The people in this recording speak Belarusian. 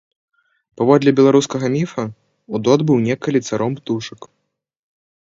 Паводле беларускага міфа, удод быў некалі царом птушак.